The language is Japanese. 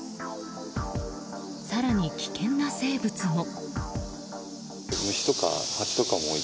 更に危険な生物も。